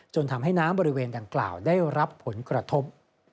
ทำให้น้ำบริเวณดังกล่าวได้รับผลกระทบ